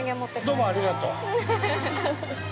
◆どうもありがとう！